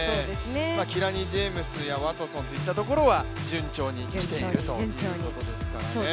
キラニ・ジェームズやワトソンといったところは順調に来ているということですからね。